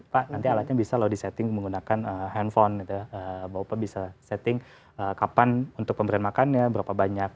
pak nanti alatnya bisa lo disetting menggunakan handphone gitu ya bawa pak bisa setting kapan untuk pemberian makannya berapa banyak